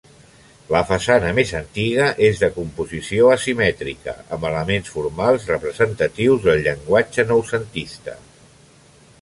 La façana més antiga és de composició asimètrica, amb elements formals representatius del llenguatge noucentista.